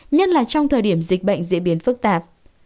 nhất là trong thời điểm dịch bệnh diễn biến phức tạp